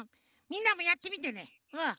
みんなもやってみてねうん。